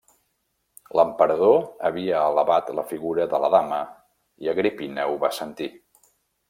L'emperador havia alabat la figura de la dama i Agripina ho va sentir.